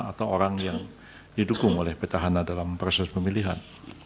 atau orang yang didukung oleh petahana dalam proses pemilihan